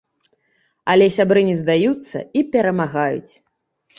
Але сябры не здаюцца і перамагаюць.